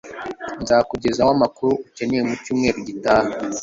nzakugezaho amakuru ukeneye mucyumweru gitaha